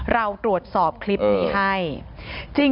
เราตรวจสอบคลิปนี้ให้